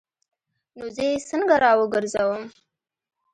نو زه یې څنګه راوګرځوم؟